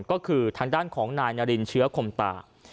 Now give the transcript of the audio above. ก็คือทางด้านของนายนารินเชื้อคมตา